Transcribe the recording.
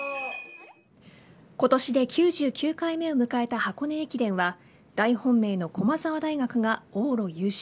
今年で９９回目を迎えた箱根駅伝は大本命の駒澤大学が往路優勝。